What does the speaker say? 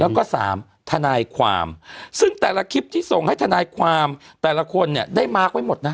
แล้วก็สามทนายความซึ่งแต่ละคลิปที่ส่งให้ทนายความแต่ละคนเนี่ยได้มาร์คไว้หมดนะ